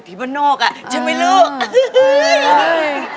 ที่บ้านนอกอ่ะใช่ไหมลูก